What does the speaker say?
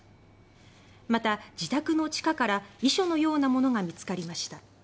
また、自宅の地下から遺書のようなものが見つかりました。